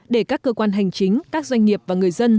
để các cơ quan hành chính các doanh nghiệp và người dân